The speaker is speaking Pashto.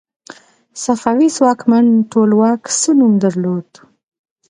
صفوي ځواکمن ټولواک څه نوم درلود؟